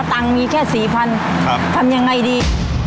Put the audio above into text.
ตังค์มีแค่๔๐๐๐บาททำอย่างไรดี